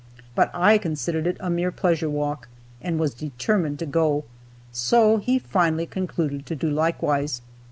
But I considered it a mere pleasure walk, and was determined to go, so he finally concluded to do likewise.